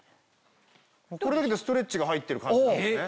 これだけでストレッチが入ってる感じなんですね。